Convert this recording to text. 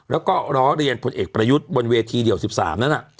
แล้วก็ล้อเรียนผลเอกประยุทธ์บนเวทีเดี่ยว๑๓นั้น